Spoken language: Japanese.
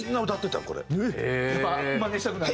やっぱマネしたくなる？